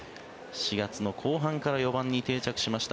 ４月の後半から４番に定着しました